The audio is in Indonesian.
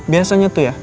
biasanya tuh ya